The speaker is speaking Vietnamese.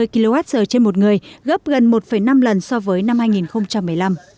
hai ba trăm hai mươi kwh trên một người gấp gần một năm lần so với năm hai nghìn một mươi năm